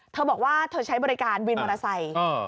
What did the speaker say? เธอบอกว่าเธอใช้บริการวินมอเตอร์ไซค์